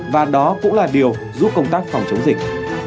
và đó cũng là điều giúp công tác phòng chống dịch